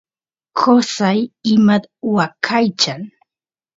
qosay imat waqaychan